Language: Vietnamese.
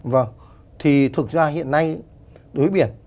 vâng thì thực ra hiện nay đối biển